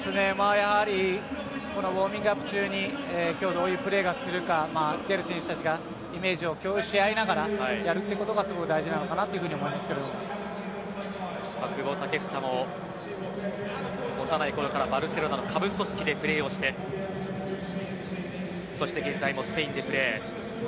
やはり、ウオーミングアップ中にどういうプレーをするか出る選手たちがイメージを共有し合いながらやるということがすごい大事なのかと久保建英も幼いころから、バルセロナの下部組織でプレーをしてそして現在もスペインでプレー。